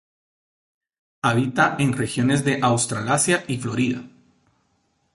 Habita en Regiones de Australasia y Florida.